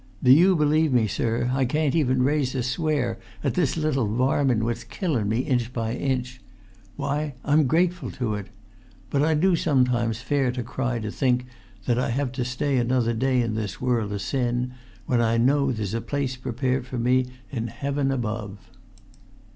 Do you believe me, sir, I can't even raise a swear at this little varmin what's killun me inch by inch. Why, I'm grateful to it! But I do sometimes fare to cry to think I have to stay another day in this world o' sin, when I know there's a place prepared for me in heaven above."